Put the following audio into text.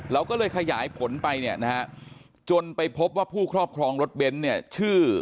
เราก็เลยขยายผลไปจนไปพบว่าผู้ครอบครองรถเบนซ